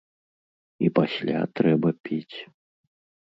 І пасля трэба піць.